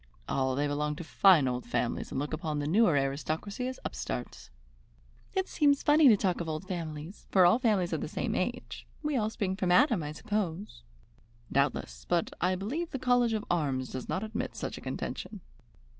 "Oh, they belong to fine old families and look upon the newer aristocracy as upstarts." "It seems funny to talk of old families, for all families are the same age. We all spring from Adam, I suppose." "Doubtless, but I believe the College of Arms does not admit such a contention."